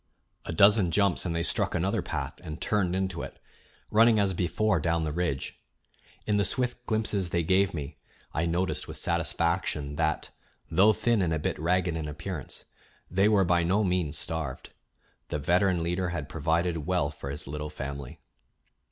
A dozen jumps and they struck another path and turned into it, running as before down the ridge. In the swift glimpses they gave me I noticed with satisfaction that, though thin and a bit ragged in appearance, they were by no means starved. The veteran leader had provided well for his little family.